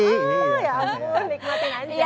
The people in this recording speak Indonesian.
ya ampun nikmatin aja